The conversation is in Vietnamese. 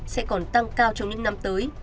sẽ còn tăng cao trong những năm tới